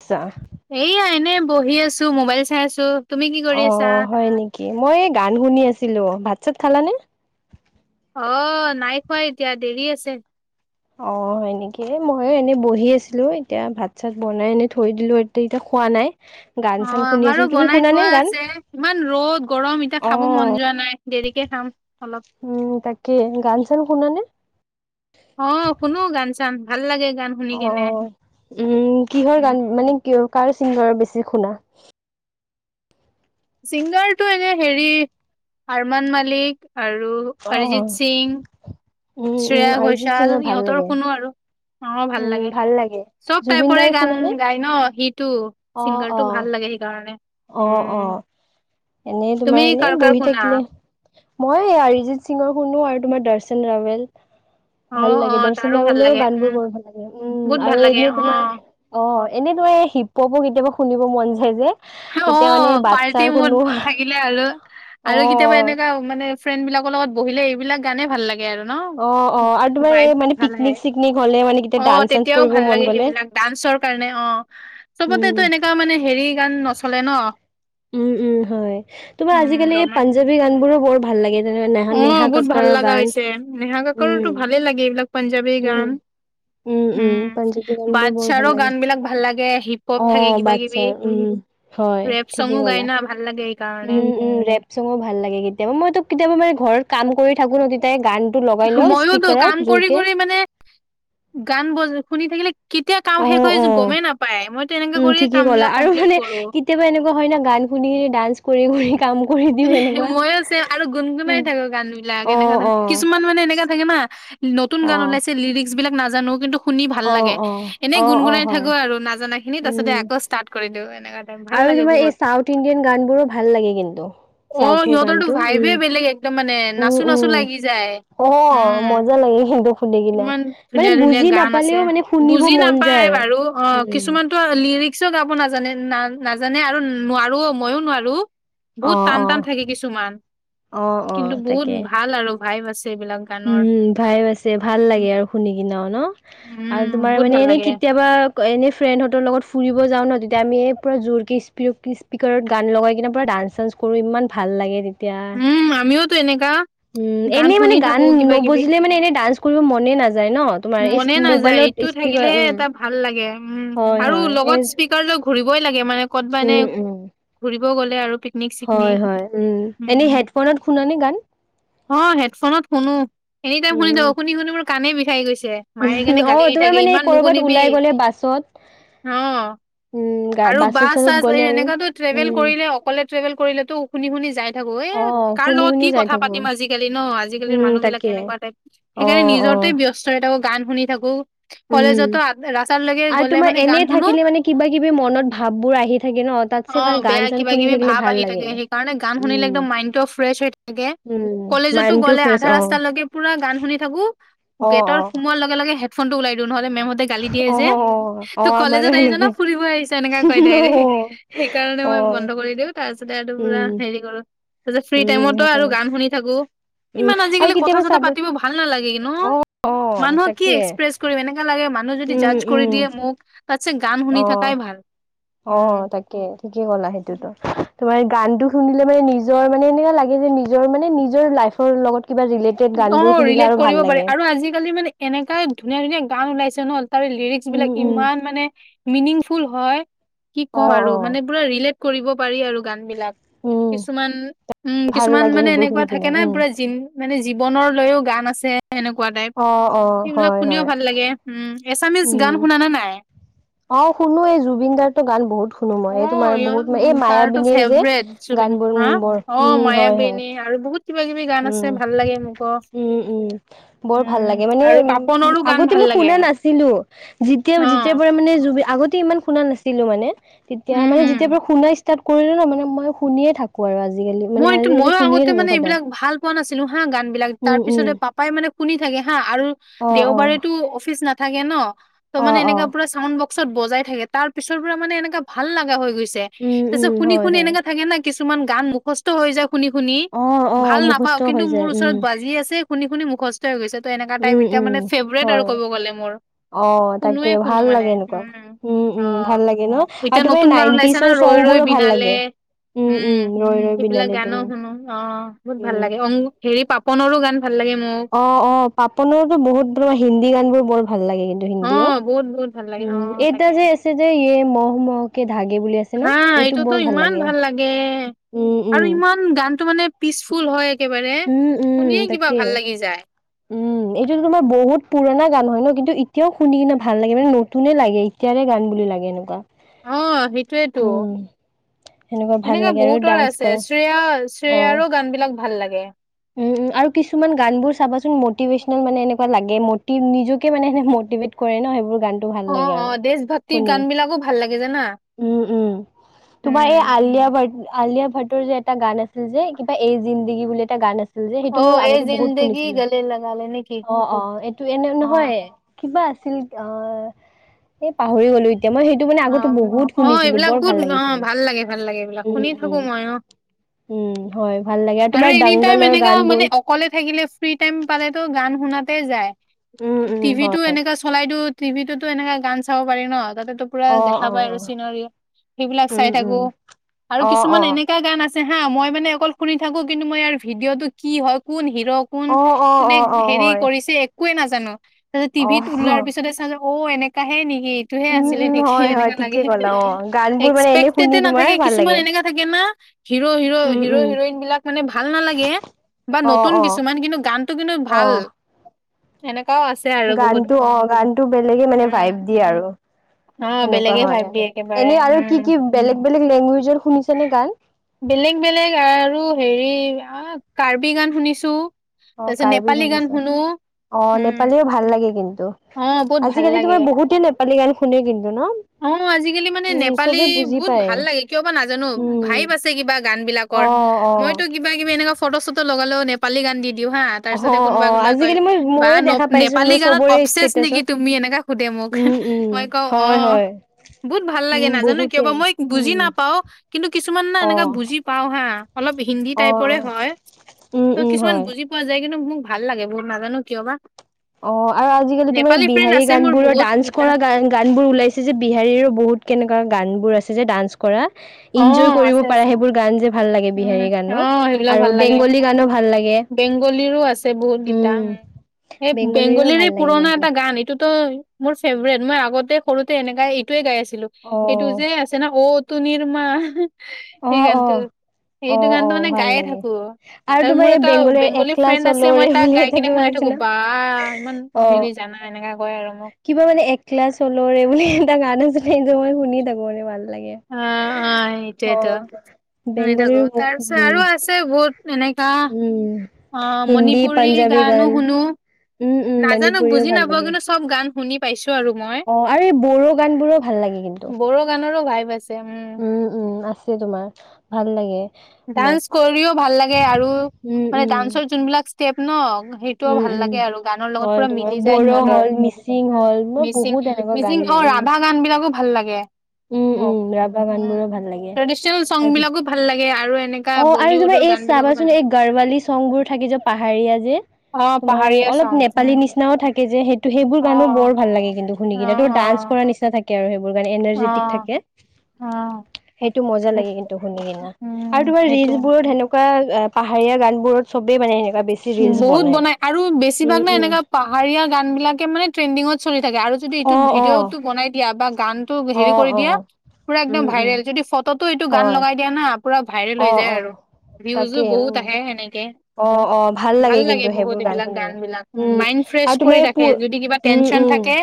আচ্ছা এইয়া এনে বহি আছো মোবাইল চাই আছো। তুমি কি কৰি অ আছা হয় নেকি? মই এই গান শুনি আছিলো, ভাত চাত খালানে? অ নাই খোৱা এতিয়া দেৰি আছে। অ এনেকে মই এনে বহি আছিলো এতিয়া ভাত চাত বনাই এনে থৈ দিলো এতি এতিয়া খোৱা নাই। গান অ চান শুনি আমাৰো আছিলো তুমি বনাই শুনানে থোৱা গান আছে ইমান ৰ'দ গৰম এতিয়া অ খাব মন যোৱা নাই। দেৰিকে খাম। অলপ উম তাকে গান চান শুনানে? অ শুনো গান চান ভাল লাগে। গান শুনি অ কেনে উম কিহৰ গান উম মানে ক কাৰ ছিংগাৰ বেছি শুনা? ছিংগাৰটো এনে হেৰি আৰমান মালিক আৰু অ অৰিজিত সিং উম উম শ্ৰেয়া অৰিজিত ঘৈছাল সিঙৰ ভাল ইহঁতৰ লাগে শুনো আৰু। অ ভাল উম লাগে চব জুবিন টাইপৰে দাৰ গান শুনানে গায় ন হিট টো অ ছিংগাৰ অ টো ভাল লাগে সেইকাৰণে। অ অ। উম এনে তুমি তোমাৰ এনে কাৰ কাৰ বহি শুনা? থাকিলে মই অৰিজিত সিঙৰ শুনো আৰু। তোমাৰ দৰ্শন ৰাৱেল। অ', ভাল লাগে অ', তাৰো দৰ্শন ভাল ৰৱেলও লাগে গান উম, বোৰ বৰ ভাল লাগে বহুত উম ভাল আৰু লাগে এনেই অ', তোমাৰ অ এনে শিপপো কেতিয়াবা শুনিব মন যায় যে। অ তেতিয়া মানে পাৰ্টি বাচ্ছাৰ মুড শুনো থাকিলে আৰু অ আৰু কেতিয়াবা এনেকুৱা অ মানে ফ্ৰেণ্ড বিলাকৰ লগত বহিলে এইবিলাক গানে ভাল লাগে ভাল লাগে আৰু অ আৰু তোমাৰ এই মানে ন [unintelligible] পিকনিক চিকনিক হলে মানে কেতিয়া অ ডান্স চান্স তেতিয়াও কৰিব ভাল মন লাগে গ'লে সেইবিলাক ডান্সৰ কাৰণে অ চবতে উম তটো এনেকুৱা মানে হেৰি গান নচলে ন উম উম হয় তোমাৰ উম, আজিকালি এই ৰমান পাঞ্জাবী গান বোৰো বৰ ভাল লাগে। যেনে ন অ', নেহা বহুত ভাল কক্কৰৰ লগা গান হৈছে নেহা ককৰ তো উম ভালেই লাগে এইবিলাক পাঞ্জাৱী উম গান। উম পাঞ্জাৱী গান বোৰ বৰ ভাল বাচ্ছাৰো লাগে গান বিলাক ভাল লাগে হিপ হপ অ থাকে কিবা কিবি। বাচ্ছাৰ উম হয় ৰেপ ঠিকেই চঙো গাই ক'লা না ভাল লাগে। উম সেইকাৰণে উম ৰেপ চঙো ভাল লাগে, কেতিয়াবা মইতো কেতিয়াবা মানে ঘৰত কাম কৰি থাকো ন তেতিয়াই গান ময়োতো কাম কৰি কৰি মানে গান বজ শুনি থাকিলে কেতিয়া কাম অ শেষ হৈ অ গমেই নাপায় মই তেনেকে উম কৰিয়ে ঠিকে কাম ক'লা বিলাক আৰু কমপ্লিট মানে কৰো কেতিয়াবা এনেকুৱা হয় ন গান শুনি কি ডান্স কৰি কৰি কাম কৰি দিও এনেকুৱা মইও ছেম আৰু গুণগুনাই থাকো গান বিলাক, অ এনেকা ধৰণে অ অ কিছুমান মানে এনেকা থাকে না নতুন গান ওলাইছে লিৰিক্স বিলাক নাজানো কিন্তু শুনি ভাল অ অ লাগে, এনেই অ গুণ অ গুনাই হয় থাকো আৰু নাজানা খিনি তাছতে উম আকৌ ষ্টাৰ্ট কৰি দিও এনেকা। টাইপ ভাল আৰু লাগে তোমাৰ বহুত এই চাউথ ইণ্ডিয়ান গানবোৰো ভাল লাগে কিন্তু। অ চাউথৰ সিহঁতৰতো গানটো উম ভাইবে বেলেগ একদম মানে উম নাচো নাচো উম লাগি যায়। অ উম মজা লাগে কিন্তু শুনি কিনা কিমান মানে ধুনীয়া ধুনীয়া বুজি গান আছে। নাপালেও মানে শুনিব বুজি মন যায় নাপায় আৰু। বাৰু অ উম কিছুমানতো লিৰিক্সও গাব নাজানে ন নাজানে আৰু নোৱাৰো মইও নোৱাৰো। অ বহুত টান অ টান থাকে কিছুমান অ অ কিন্তু বহুত তাকে ভাল আৰু। ভাইভ আছে এইবিলাক গানৰ। উম ভাইে আছে ভাল উম লাগে আৰু শুনি কিনেও ন আৰু উম তোমাৰ বহুত মানে ভাল এনেই লাগে কেতিয়াবা এনেই ফ্ৰেণ্ডহঁতৰ লগত ফুৰিব যাও ন তেতিয়া আমি এই পূৰা জোৰকি স্প স্পকাৰত গান লগাই কিনে পুৰা ডান্স চানস কৰো ইমান ভাল লাগে। এতিয়া উম আমিওতো এনেকা উম গান এনেই শুনি মানে গান থাকো কিবা কিবি নুবুজিলে মানে এনে ডান্স কৰিব মনে নাযায় ন তোমাৰ মনে নাযায় এইটো মোবাইলত স্পিক থাকিলেহে উ এটা ভাল উম আৰু লগত স্পকাৰ লই ঘুৰিবই লাগে মানে উম উম ফুৰিবগ'লে আৰু পিকনিক হয় চিকনিক হয় উ এনেই উম হেডফোনত শুনানে গান অ হেডফোনত শুনো এনি টাইম শুনি উম শুনি শুনি মোৰ কাণেই বিষাই গৈছে। মায়ে সেই উম কাৰণে অ গালি দি তোমাৰ থাকে মানে ইমান কৰ'বাত নুশুনিবি ওলাই গ'লে বাছত অ উম গা আৰু বাছত বাছ চাছত চাছ এই গ'লে আৰু এনেককাতো ট্ৰেভেল উম কৰিলে অকলে ট্ৰেভেল কৰিলে তো শুনি শুনি যাই থাকো এ অ কাৰ শুনি লগত শুনি কি যাই কথা থাকো পাতিম আজিকালি ন আজিকালিৰ উম মানুহ বিলাক তাকে কেনেকুৱা টাইপ অ সেইকাৰণে অ নিজৰতে ব্যস্ততা থাকো গান শুনি থাকো উম কলেজতো ৰাস্তালৈকে আৰু গ'লে তোমাৰ মানে এনে গান শুনো থাকিলে মানে কিবা কিবি মনত ভাব বোৰ আহি থাকে ন তাতছে অ ভাল গান বেয়া চান কিবা শুনি কিবি থাকিলে ভাৱ ভাল আহি লাগে। থাকে সেইকাৰণে গান শুনিলে উম একদম মাইণ্ডটো ফ্ৰেছ হৈ থাকে উম কলেজতো মাইণ্ডটো গ'লে ফ্ৰেছ আধা অ ৰাস্তালৈকে পুৰা গান শুনি থাকো অ গেটৰ অ সোমোৱাৰ লগে লগে ফটো ওলাদো নহলে মেমহতে গালি দিয়ে অ যে অ অ তই আমাৰো কলেজত আহিছ ন সেনেকুৱাই ফুৰিব আহিছ এনেকা কয় অ ডাৰেক সেইকাৰণে অ মই বন্ধ কৰি দিওঁ তাৰ পিছতে আৰু টো পুৰা উম হেৰি কৰো তাৰপিছত ফ্ৰী উম টাইমতো আৰু সেইকাৰণে গান শুনি থাকো উম ইমান আৰু আজিকালি কথা কেতিয়াবা চথা চাবা পাতিব ভাল নালাগে কি ন অ অ মানুহক কি তাকে এক্সপ্ৰেছ কৰিম এনেকা লাগে মানুহ যদি উম জাছ কৰি উম দিয়ে মোক তাতছে গান শুনি অ থাকাই ভাল অ উম। তাকে ঠিকেই কলা সেইটোতো তোমাৰ গানটো শুনিলে মানে নিজৰ মানে এনো লাগে যে নিজৰ মানে নিজৰ লাইফৰ লগত কিবা ৰিলেটেড গান অ বোৰ শুনিলে ৰিলেট আৰু ভাল কৰিব পাৰি লাগে আৰু আজিকালি মানে এনেকাই ধুনীয়া ধুনীয়া গান ওলাইছে ন তাৰে লিৰিক্স উম বিলাক উম ইমান মানে মিনিংফুল হয় কি অ কওঁ আৰু অ মানে পুৰা ৰিলেট কৰিব পাৰি আৰু গান বিলাক। উম কিছুমান উম ভাল কিছুমান লাগে মানে সেইবোৰ এনেকুৱা শুনি কিনে থাকে না উম পুৰা জিন মানে- জীৱনৰ লৈও গান আছে। এনেকুৱা টাইপ অ অ সেইবিলাক হয় শুনিও হয়। ভাল লাগে উম এছামিজ গান উম শুনা নে নাই অ শুনো এই জুবিন দাৰ টো গান বহুত শুনো অ মই এই তোমাৰ বহুত এই তাৰতো মায়াবিনীৰ যে ফেভৰেট গান জুবিন বোৰ হা উম বৰ অ উম হয় হয়। মায়াবিনী আৰু বহুত কিবা কিবি গান উম আছে ভাল লাগে মোকো উম উম বৰ ভাল উম লাগে মানে আৰু পাপনৰো আগ গান আগতে ভাল মই লাগে শুনা নাছিলোঁ যেতিয়া অ যেতিয়াৰ পৰা মানে জুবি আগতে ইমান শুনা নাছিলোঁ মানে তেতিয়া উম, মানে উম, যেতিয়া পৰা শুনা ষ্টাৰ্ট কৰিলো ন মানে মই শুনিয়ে থাকো আৰু আজি মই এইটো ময়ো আগতে মানে এইবিলাক ভাল পোৱা নাছিলো হা গান বিলাক তাৰ উম উম পিছতে পাপাই মানে শুনি থাকে হা আৰু অ অ দেওবাৰেতো অফিচ নাথাকে ন ত অ মানে অ এনেকা পুৰা ছাউণ্ড বক্সত বজাই থাকে তাৰ পিছৰ পৰা মানে এনেকা ভাল লাগা হৈ গৈছে উম উম তাৰপিছত শুনি হয় শুনি হয় এনেকা থাকে না কি কিছুমান গান মুখস্থ হৈ যায় শুনি শুনি অ অ ভাল নাপাওঁ মুখস্থ কিন্তু হৈ মোৰ যায় উম ওচৰত বাজি আছে শুনি শুনি মুখস্থ হৈ গৈছে ত এনেকা টাইপ উম এতিয়া উম মানে ফেভৰেট আৰু হয় ক'ব গ'লে মোৰ অ তাকে শুনোৱে শুনো ভাল মানে লাগে এনেকুৱা উম অ উম ভাল লাগে ন আৰু এতিয়া তোমাৰ নতুন গান ওলাইছে ন নাইনটিচৰ ৰৈ চং ৰৈ বোৰো ভাল বিনালে লাগে উম উম ৰৈ ৰৈ সেইবিলাক বিনালে গানো তুমি শুনো অ বহুত ভাল লাগে উম হেৰি পাপণৰো গান ভাল লাগে মোক অ অ পাপণৰতো বহুত, হিন্দী গান বোৰ বৰ ভাল লাগে কিন্তু অ হিন্দীয়ো বহুত বহুত ভাল লাগে উম অ এইটা তাকে যে আছে যে ইয়ে মহ মহকে ধাগে বুলি আছে। ন হা এইটো এইটোতো বৰ ইমান ভাল লাগে উম উম আৰু ইমান গানটো মানে পিচফুল হয় একেবাৰে উম উম শুনিয়ে কিবা ভাল লাগি যায়। এইটোতো তোমাৰ বহুত পুৰণা গান হয় ন কিন্তু এতিয়াও শুনি কিনে ভাল লাগে মানে নতুনে লাগে এতিয়াৰে গান বুলি লাগে এনেকুৱা অ সেইটোৱেতো উম সেনেকুৱা ভাল এনেকা লাগে আৰু বহুতৰে ডান্স আছে কৰা শ্ৰেয়া অ শ্ৰেয়াৰো গান বিলাক ভাল লাগে। উম উম আৰু কিছুমান গান বোৰ চাবাচোন মটিভেচনেল মানে এনেকুৱা লাগে মটি নিজকে মানে এনে মটি মটিভেট কৰে ন সেইবোৰ গান টো ভাল অ লাগে অ আৰু দেশ ভক্তিৰ শুনি গান বিলাকো ভাল লাগে জানা উম উম। তোমাৰ এই উম আলিয়া ভট্ট আলিয়া ভট্টৰ যে এটা গান আছিল যে কিবা এই জিন্দগী বুলি এটা গান আছিল। যে সেইটো অ মই এই আগতে বহুত জিন্দগী শুনিছিলো। গলে লগালে নেকি অ অ এইটো এনে অ নহয় কিবা আছিল অ এই পাহৰি গ'লো। এতিয়া মই সেইটো মানে অ', আগতো বহুত অ', শুনিছিলো এইবিলাক বৰ বহুত ভাল লাগিছিল। অ', ভাল লাগে ভাল লাগে এইবিলাক উম শুনি থাকো উম। মই অ', উম হয় ভাল লাগে, আৰু তোমাৰ ডাঙৰ টাইম এনেকা মানে অকলে থাকিলে ফ্ৰী টাইম পালেটো গান শুনাতে যায়। টিভিটো এনেকা চলাই দিওঁ টিভিটোতো এনেকা গান চাব পাৰি ন, তাতে পুৰা অ দেখা অ পায় আৰু চিনাৰি সেইবিলাক চাই উম উম থাকো, আৰু অ কিছুমান অ এনেকা গান আছে আছে হা মই মানে অকল শুনি থাকো কিন্তু মই ইয়াৰ ভিডিঅ টো কি হয় কোন সি হিৰ কোন অ অ কোনে অ অ হেৰী হয় কৰিছে একোৱে নাজানো তাপিছত অ টিভিত ওলোৱাৰ পিছতে চা অ এনেকাহে নিকি এইটোহে উম আছিলে উম নিকি। হয় হয় এনেকা ঠিকে লাগে ক'লা অ গান বোৰ মানে এনে শুনি এক্সপেকটেডে তোমাৰ নাথাকে ভাল কিছুমান লাগে এনেকা থাকে না হিৰ হিৰ' উম হিৰ উম হিৰইন বিলাক মানে ভাল নালাগে বা অ নতুন অ কিছুমান কিন্তু গানটো কিন্তু ভাল অ এনেকাও আছে আৰু বহুত গানটো অ গানটো বেলেগে মানে উম ভাইব দিয়ে আৰু। অ সেনেকুৱা বেলেগে হয় ভাইব আৰু দিয়ে একেবাৰে এনে আৰু উম কি কি বেলেগ বেলেগ লেংগুৱেজৰ শুনিছা নে গান? বেলেগ বেলেগ আৰু হেৰি কাৰ্বি গান শুনিছোঁ। অ কাৰ্বি শুনিছে অ উম। নেপালীও ভাল লাগে কিন্তু। অ' বহুত ভাল আজিকালি লাগে। তোমাৰ বহুতে নেপালী গান শুনে কিন্তু ন? অ আজিকালি মানে উম নেপালী চবে বুজি বহুত পায় ভাল লাগে কিয় বা নাজানো উম ভাইব আছে কিবা গান বিলাকৰ। অ অ মইটো কিবা কিবি এনেকুৱা ফটো চটো লগালেও নেপালী গান দি দিওঁ হা তাৰ অ পিছতে অ কোনোবা কোনোবা কয় আজিকালি মই বা ময়ো ন দেখা পাইছো নেপালী মই গানত চবৰে অপ প্ৰেছ নেকি ষ্টেটাচত তুমি এনেকা সোধে মোক উম উম মই কওঁ অ। হয় হয় বহুত ভাল লাগে উম নাজানো কিয় বহুতে বা মই উম বুজি নাপাও কিন্তু কিছুমান না অ অ এনেকা বুজি পাওঁ। অলপ হিন্দী অ টাইপৰে হয় উম ত' উম কিছুমান হয় বুজি পোৱা যায় কিন্তু মোক। ভাল লাগে বোৰ নাজানো কিয় বা। অ আৰু আজিকালি তোমাৰ নেপালী ফ্ৰেণ্ড বিহাৰী আছে গান মোৰ বোৰ বহুত ডান্স গিটা। কৰা গান গান বোৰ ওলাইছে যে বিহাৰীৰো বহুত কেনে। গাঢ় গান বোৰ আছে যে ডান্স কৰা। ইনজয় অ', আছে কৰিব পাৰা আছে সেইবোৰ গান যে ভাল লাগে উম, বিহাৰী গানো অ', সেইবিলাক আৰু ভাল লাগে বেংগলী গানো ভাল লাগে। বেংগলীৰো আছে বহুত গেইটা উম উ এই বেংগলীৰো বেংগলীৰে ভাল লাগে পুৰণা কিন্তু এটা গান এইটো ত মোৰ ফেভ্ৰেত মই আগতে সৰুতে এনেকাই এইটোয়ে গাই আছিলো, অ সেইটো যে আছে না অ তুনিৰমা অ সেই অ গানটো অ সেইটো অ গানতো মানে ভাল গায়ে লাগে থাকো। আৰু ত তোমাৰ মোৰ এই এটা বেংগলীৰ বেংগলী একলা ফ্ৰেণ্ড আছে মই চলৰে তাক বুলি গাই এটা কেনে কিবা শুনাই আছিল থাকো ন বা ইমান অ হেৰি যা। ন এনেকা। কয় আৰু মোক কিবা মানে এক লা চলৰে এই বুলি এটা গান আছিলে সেইটো মই শুনি থাকো মানে ভাল। লাগে। অ', অ', অ এইটোয়েতো শুনি থাকো বেংগলীৰ বহুত তাৰ পিছত উম আৰু আছে বহুত এনেকা উম। অ', হিন্দী মণিপুৰী পাঞ্জাবী গানো গান। শুনো উম উম নাজানো মণিপুৰীও বুজি ভাল নাপাও লাগে কিন্তু চব গান শুনি পাইছো। আৰু মই অ আৰু এই বড়ো গান বোৰো ভাল লাগে কিন্তু বড়ো গানৰো ভাইব আছে উম উম আছে। তোমাৰ ভাল লাগে। মোক ডান্স কৰিও ভাল লাগে আৰু উম মানে উম ডান্সৰ যোনবিলাক ষ্টেপ ন সেইটোও উম ভাল উম লাগে আৰু গানৰ লগত হয় পুৰা তোমাৰ মিলি যায় বড়ো সিহঁতৰ হ'ল মিচিং উ হ'ল মই মিচিং বহুত এনেকুৱা মিচিং। গান অ বোৰ উম ৰাভা গান বিলাকো ভাল লাগে। উম অ উম ৰাভা গান উম বোৰো ভাল লাগে ট্ৰেডিচনেল চং আজি বিলাকো ভাল লাগে। আৰু এনেকা অ আৰু তোমা বলিউডৰ এই গান বিলাকো ভাল চাবাচোন লাগে এই গাৰৱালি চং বোৰ থাকে যে পাহাৰীয়া যে। অ তোমাৰ পাহাৰীয়া অলপ চং নেপালী উম নিচিনাও থাকে। যে সেইটো সেইবোৰ অ গানো বৰ ভাল লাগে কিন্তু শুনি অ কিনে তোৰ অ ডান্স কৰ নিচি থাকে আৰু সেইবোৰ। বোৰ গান অ এনাৰ্জিতিক থাকে। অ অ টো মজা সেই লাগে কিন্তু শুনি কিনা উম আৰু তোমাৰ ৰিলচ সেইটোৱে বোৰত হেনেকা। ৱা পাহাৰীয়া গান বোৰত চবে মানে এনে। বহুত বনাই আৰু বেছিভাগ ন এনেকা পাহাৰীয়া গান বিলাকে মানে ট্ৰেণ্ডিঙত। চলি থাকে আৰু যদি অ ইটোত অ ভিডিঅ'টো বনাই দিয়া বা গানতটো অ হেৰি কৰি অ দিয়া। পুৰা উম একদম উম ভাইৰেল যদি ফটোটো এইটো গান হয় লগাই দিয়া না। পুৰা ভাইৰেল অ হৈ যায় অ আৰু তাকে ভিউজো উম বহুত আহে সনেকে। অ অ ভাল লাগে কিন্তু বহুত সেইবোৰ এইবিলাক শুনি গান বিলাক উম মাইড ফ্ৰেছ আৰু তোমাৰ কৰি এই ৰাখে পুৰ যদি কিবা উম টেনচন উম থাকে।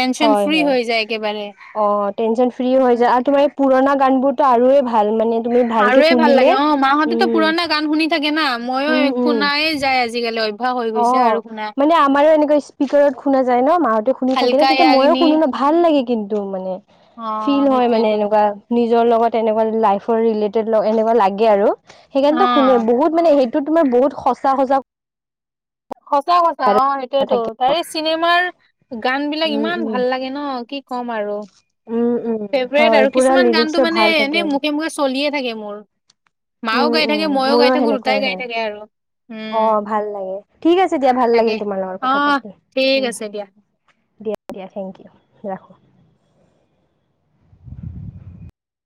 টেনচন হয় ফ্ৰী হয় হৈ যায় একেবাৰে। অ টেনচন ফ্ৰী হৈ যায় আৰু তোমাৰ এই পুৰণা গানবোৰতো আৰুৱেই ভাল মানে তুমি ভালকে। আৰুয়ে ভাল শুনিলে লাগে অ মাহঁতে ত উম পুৰণা গান শুনি থাকে না মইও উম উম শুনায়ে যাই আজিকালি। অভ্যাস হৈ অ গৈছে আৰু শুনা মানে আমাৰো এনেকুৱা স্পিকত শুনা যায় ন মাহতে শুনি থাকে ন হালকা তেতিয়া ময়ো য়াগনি শুনো ন ভাল লাগে। কিন্তু মানে অ ফিল হয় মানে সেইটোয়েতো এনেকুৱা নি। জৰ লগত এনেকুৱা লাইফৰ ৰেলেটেট ল এনেকুৱা লগে আৰু অ হেইকানেত হুনে বহুত মানে হেইট। টো তুমাৰ বহুত সঁচা সঁচা। সচা সচা অ কথা সটোয়েতো থাকে তাৰে চিনেমাৰ গান বিলাক উম ইমান উম ভাল লাগে ন কি। কম আৰু উম উম ফেভৰেট হয় আৰু পুৰা কিছুমান গানতটো লিৰিক্সো মানে ভাল থাকে এনে মোখে মোখে চলিয়ে থাকে মোৰ। উম মাও গাই উম থাকে মই মোৰো গাই থাকো সেনেকুৱাই দুটাই গাই হয় থাকে আৰু অ উম ভাল লাগে ঠিক আছে দিয়া ভাল তাকে লাগিল তোমাৰ লগত অ কথা পাতি উ ঠিক আছে দিয়া দিয়া দিয়া থেইংকিও ৰাখো।